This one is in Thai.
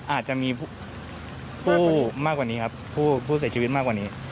อาจจะมีผู้ก็พูดขึ้นมากกว่าหรือผู้เกิดผู้เสธชีวิตมากกว่านี้